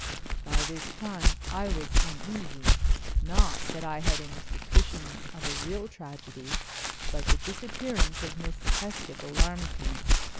By this time I was uneasy, not that I had any suspicion of a real tragedy, but the disappearance of Miss Hesketh alarmed me.